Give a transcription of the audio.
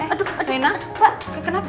aduh aduh aduh